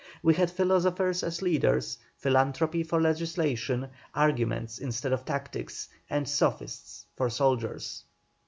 We had philosophers as leaders, philanthropy for legislation, arguments instead of tactics, and sophists for soldiers."